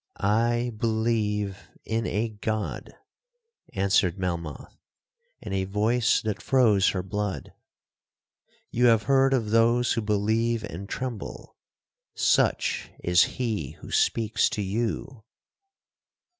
'I believe in a God,' answered Melmoth, in a voice that froze her blood; 'you have heard of those who believe and tremble,—such is he who speaks to you!'